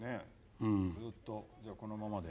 ずっとこのままで。